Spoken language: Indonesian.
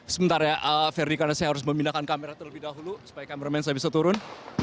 sebentar ya verdi karena saya harus memindahkan kamera terlebih dahulu supaya kameramen saya bisa turun